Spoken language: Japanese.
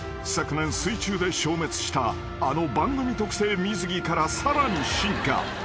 昨年水中で消滅したあの番組特製水着からさらに進化］